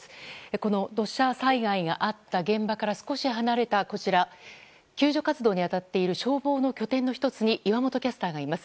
この土砂災害があった現場から少し離れたこちら、救助活動に当たっている消防の拠点の１つに岩本キャスターがいます。